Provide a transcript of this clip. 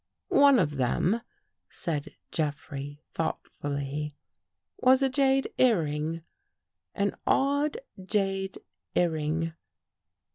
" One of them," said Jeffrey, thoughtfully, " was a jade earring. An odd jade earring."